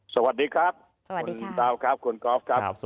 สวัสดีครับคุณดาวครับคุณกอล์ฟครับ